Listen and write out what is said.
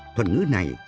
thuật ngữ này